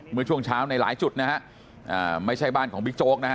เมื่อช่วงเช้าในหลายจุดนะฮะไม่ใช่บ้านของบิ๊กโจ๊กนะฮะ